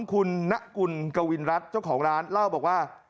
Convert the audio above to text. คุณณกุลกวินรัฐเจ้าของร้านเล่าบอกว่า